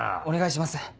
お願いします。